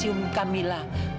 saya juga belas kajian saya